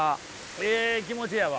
ええ気持ちやわ。